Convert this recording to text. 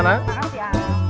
terima kasih al